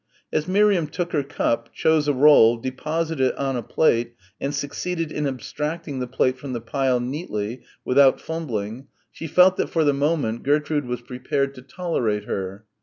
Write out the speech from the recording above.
As Miriam took her cup, chose a roll, deposited it on a plate and succeeded in abstracting the plate from the pile neatly, without fumbling, she felt that for the moment Gertrude was prepared to tolerate her.